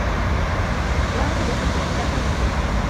ওরা আমাকে বেসমেন্টে ক্যান্সারের চিকিৎসা দিচ্ছে।